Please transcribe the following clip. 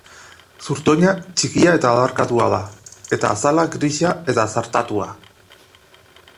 Zurtoina txikia eta adarkatua da, eta azala grisa eta zartatua.